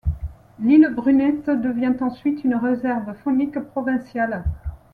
L'île Brunette devient ensuite une réserve faunique provinciale.